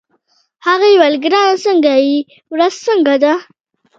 هغې وویل: ګرانه څنګه يې، ورځ څنګه ده؟